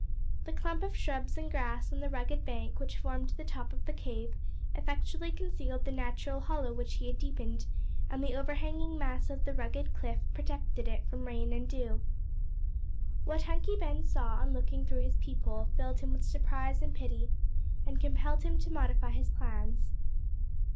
The clump of shrubs and grass on the rugged bank, which formed the top of the cave, effectually concealed the natural hollow which he had deepened, and the overhanging mass of the rugged cliff protected it from rain and dew. What Hunky Ben saw on looking through his peep hole filled him with surprise and pity, and compelled him to modify his plans.